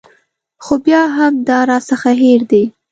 خو بیا هم دا راڅخه هېر دي.